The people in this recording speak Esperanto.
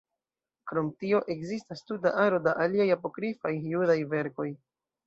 Krom tio ekzistas tuta aro da aliaj Apokrifaj Judaj verkoj.